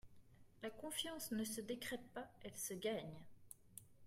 La confiance ne se décrète pas, elle se gagne.